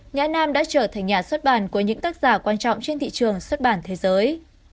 nhã nam đã trở thành nhà xuất bản của những tác giả quan trọng trên thị trường xuất bản thế giới